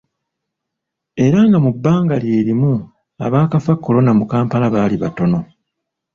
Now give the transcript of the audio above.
Era nga mu bbanga lye limu abaakafa Corona mu Kampala bali bataano.